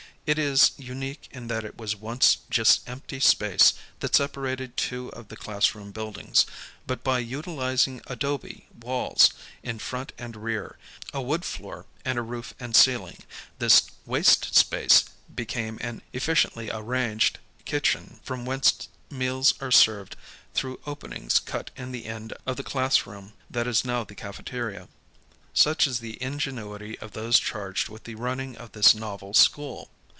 It is unique in that it was once just empty space that separated two of the classroom buildings, but by utilizing adobe walls in front and rear, a wood floor and a roof and ceiling, this waste space became an efficienlly arranged kitchen from whence meals are served through openings cut in the end of the classroom tliat is now the cafeteria. Such is the ingen uity of those charged with the running of this novel school.